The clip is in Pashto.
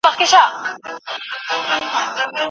انارګل په خپل لمر وهلي تندي باندې خولې پاکې کړې.